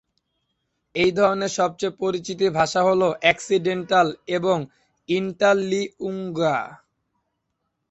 এই ধরনের সবচেয়ে পরিচিত ভাষা হল অক্সিডেন্টাল এবং ইন্টারলিঙ্গুয়া।